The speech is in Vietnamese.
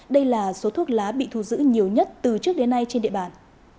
đây là số thuốc lá bị thu giữ nhiều nhất từ trước đến nay trên địa bàn